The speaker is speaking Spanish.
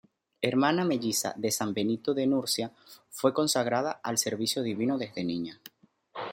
Hermana melliza de san Benito de Nursia, fue consagrada al servicio divino desde niña.